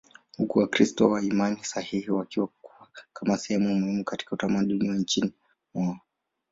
huku Wakristo wa imani sahihi wakiwa kama sehemu muhimu katika utamaduni wa nchini mwao.